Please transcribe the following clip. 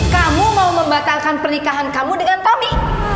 kamu mau membatalkan pernikahan kamu dengan tommy